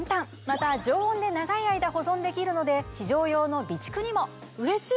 また常温で長い間保存できるので非常用の備蓄にも。